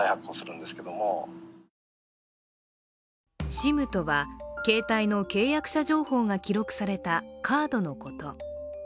ＳＩＭとは、携帯の契約者情報が記録されたカードのこと。